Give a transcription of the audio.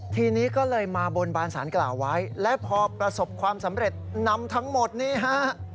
ทีนี้ก็เลยมาบนบานสารกล่าวไว้และพอประสบความสำเร็จนำทั้งหมดนี้ฮะ